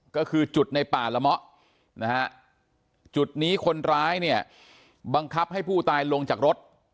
ก็คือจุดในป่าละเมาะนะฮะจุดนี้คนร้ายเนี่ยบังคับให้ผู้ตายลงจากรถ